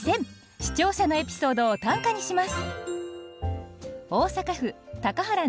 視聴者のエピソードを短歌にします。